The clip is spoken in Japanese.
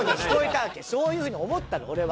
そういうふうに思ったの俺は。